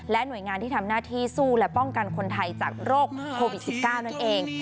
หน่วยงานที่ทำหน้าที่สู้และป้องกันคนไทยจากโรคโควิด๑๙นั่นเอง